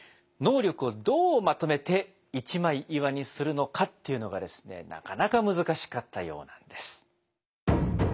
能力をどうまとめて一枚岩にするのかっていうのがなかなか難しかったようなんです。